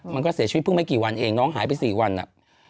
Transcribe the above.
มันก็เสียชีวิตเพิ่งไม่กี่วันเองน้องหายไป๔วันอะ